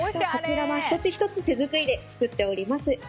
こちらは一つ一つ手作りで作っております。